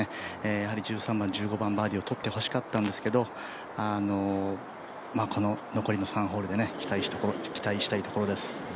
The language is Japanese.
やはり１３番、１５番バーディーをとってほしかったんですけどこの残りの３ホールで期待したいところです。